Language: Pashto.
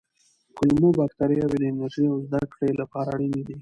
کولمو بکتریاوې د انرژۍ او زده کړې لپاره اړینې دي.